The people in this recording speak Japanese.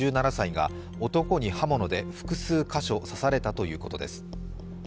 ５７歳が男に刃物で複数箇所刺されたということです。